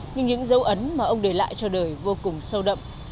nhưng những dấu ấn mà ông để lại cho đời vô cùng sâu đậm